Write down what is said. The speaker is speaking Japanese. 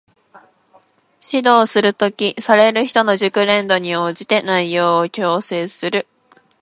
指導する時、指導される人の熟練度に応じて内容を調整する